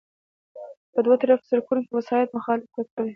په دوه طرفه سړکونو کې وسایط مخالف تګ کوي